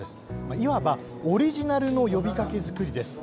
いわばオリジナルの呼びかけ作りです。